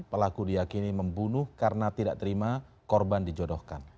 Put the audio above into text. pelaku diakini membunuh karena tidak terima korban dijodohkan